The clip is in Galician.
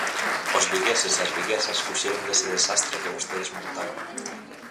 Os vigueses e as viguesas fuxiron dese desastre que vostedes montaron.